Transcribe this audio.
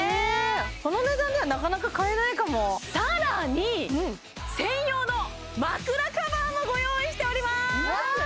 この値段ではなかなか買えないかも更に専用の枕カバーもご用意しております